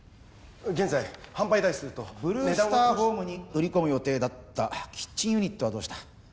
現在販売台数とブルースターホームに売り込む予定だったキッチンユニットはどうした？